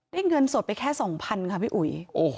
เงินสดไปแค่๒๐๐๐ค่ะพี่อุ๋ย